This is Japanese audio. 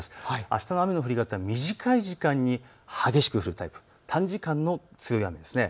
あしたの雨の降り方は短い時間に激しく降るタイプ、短時間の強い雨です。